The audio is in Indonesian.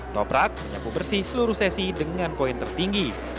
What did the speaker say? toprak menyapu bersih seluruh sesi dengan poin tertinggi